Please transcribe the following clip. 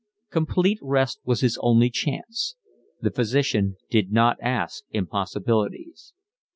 Complete rest was his only chance. The physician did not ask impossibilities.